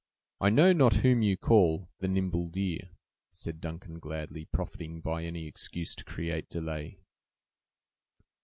"I know not whom you call 'The Nimble Deer'," said Duncan gladly profiting by any excuse to create delay.